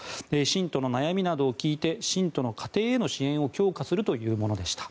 信徒の悩みなどを聞いて信徒の家庭への支援などを強化するというものでした。